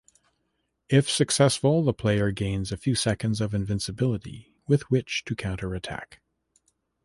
If successful, the player gains a few seconds of invincibility with which to counter-attack.